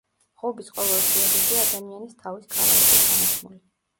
ღობის ყოველ შვერილზე ადამიანის თავის ქალა იყო ჩამოცმული.